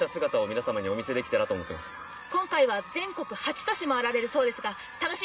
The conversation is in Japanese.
今回は全国８都市回られるそうですが楽しみ